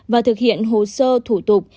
và thực hiện hồ sơ thủ tục